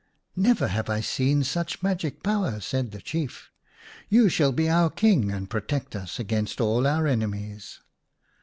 " Never have I seen such magic power," said the Chief. " You shall be our King and protect us against all our enemies."